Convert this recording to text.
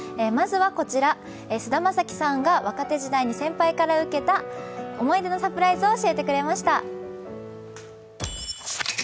まずは、菅田将暉さんが若手時代に先輩から受けた思い出のサプライズを教えてくれました。